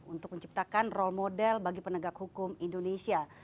untuk menciptakan role model bagi penegak hukum indonesia